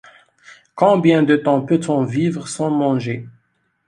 Combien de temps peut-on vivre sans manger ?